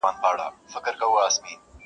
• د خان د کوره خو پخه نۀ راځي ,